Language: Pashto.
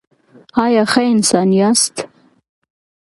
ایا ښه انسان یاست؟